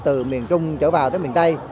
từ miền trung chở vào tới miền tây